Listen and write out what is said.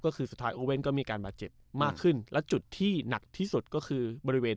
ก็คือสุดท้ายโอเว่นก็มีการบาดเจ็บมากขึ้นและจุดที่หนักที่สุดก็คือบริเวณ